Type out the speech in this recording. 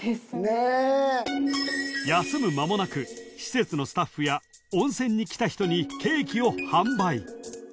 ［休む間もなく施設のスタッフや温泉に来た人にケーキを販売］